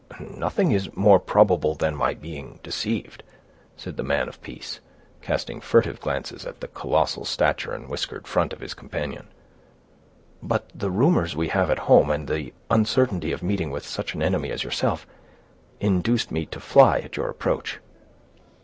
"Nothing is more probable than my being deceived," said the man of peace, casting furtive glances at the colossal stature and whiskered front of his companion; "but the rumors we have at home, and the uncertainty of meeting with such an enemy as yourself, induced me to fly at your approach."